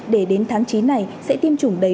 để đến tháng chín này sẽ tiêm chủng